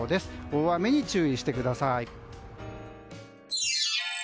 大雨に注意してください。